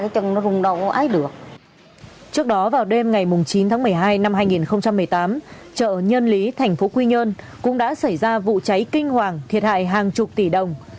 trước đó vào đêm ngày chín tháng một mươi hai năm hai nghìn một mươi tám chợ nhân lý thành phố quy nhơn cũng đã xảy ra vụ cháy kinh hoàng thiệt hại hàng chục tỷ đồng